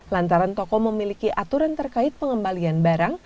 lantaran toko memiliki aturan terkait pengembalian barang